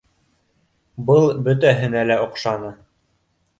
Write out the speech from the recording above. Был бөтәһенә лә оҡшаны